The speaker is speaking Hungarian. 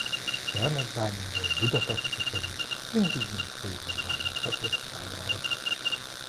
Selmecbányáról Budapestre került a pénzügyminisztérium bányászati osztályára.